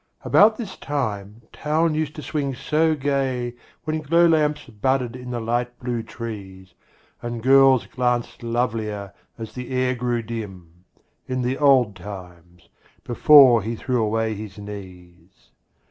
About this time Town used to swing so gay When glow lamps budded in the light blue trees And girls glanced lovelier as the air grew dim, In the old times, before he threw away his knees.